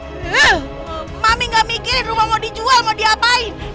eh mami nggak mikirin rumah mau dijual mau diapain